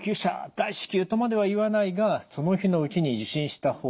大至急！」とまでは言わないがその日のうちに受診した方がいい。